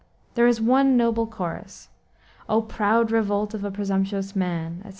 There is one noble chorus "O proud revolt of a presumptuous man," etc.